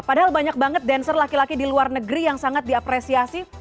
padahal banyak banget dancer laki laki di luar negeri yang sangat diapresiasi